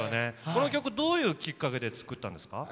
この曲どういうきっかけで作ったんですか？